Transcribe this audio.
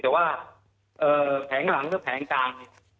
แต่ว่าแผงหลังหรือแผงกลาง